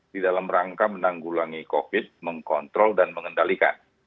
di dalam rangka menanggulangi covid mengkontrol dan mengendalikan